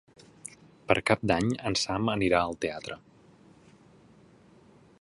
Per Cap d'Any en Sam anirà al teatre.